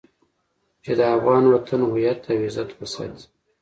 چې د افغان وطن هويت او عزت وساتي.